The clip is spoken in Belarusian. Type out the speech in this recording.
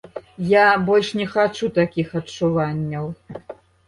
Я больш не хачу такіх адчуванняў.